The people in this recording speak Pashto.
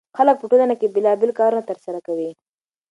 خلک په ټولنه کې بېلابېل کارونه ترسره کوي.